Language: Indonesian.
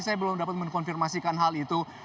saya belum dapat mengkonfirmasikan hal itu